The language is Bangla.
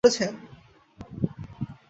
আপনি কি আমার সমস্যাটার কিছু করেছেন?